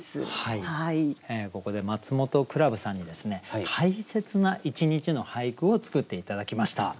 ここでマツモトクラブさんにですね大切な一日の俳句を作って頂きました。